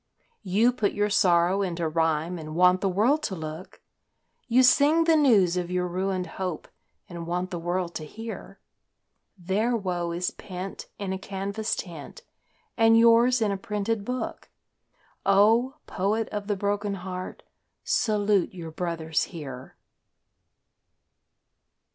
You put your sorrow into rhyme and want the world to look; You sing the news of your ruined hope and want the world to hear; Their woe is pent in a canvas tent and yours in a printed book. O, poet of the broken heart, salute your brothers here!